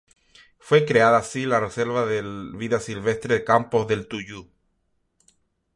Fue creada así la reserva de vida silvestre Campos del Tuyú.